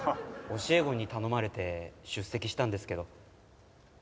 教え子に頼まれて出席したんですけど。